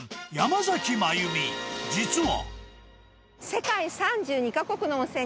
［実は］